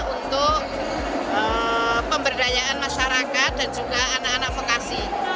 untuk pemberdayaan masyarakat dan juga anak anak vokasi